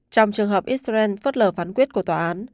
trong trường hợp israel phớt lờ phán quyết của tòa án